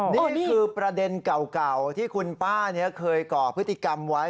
นี่คือประเด็นเก่าที่คุณป้าเคยก่อพฤติกรรมไว้